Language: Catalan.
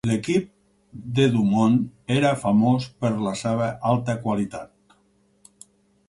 L'equip de DuMont era famós per la seva alta qualitat.